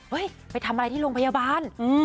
เฮ้ยไปทำอะไรที่โรงพยาบาลอืม